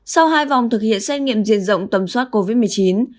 sau hai vòng thực hiện xét nghiệm diện rộng tầm soát covid một mươi chín